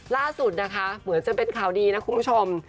ล่าสุดนะคะเหมือนจะเป็นข่าวดีนะคุณผู้ชม